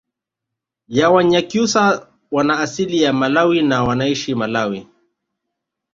ya wanyakyusa wana asili ya malawi na wnaishi malawi